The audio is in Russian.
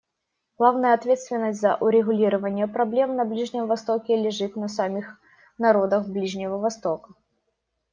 Главная ответственность за урегулирование проблем на Ближнем Востоке лежит на самих народах Ближнего Востока.